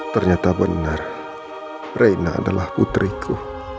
ternyata benar reina adalah putriku